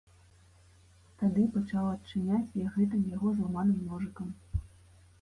Тады пачаў адчыняць я гэтым яго зламаным ножыкам.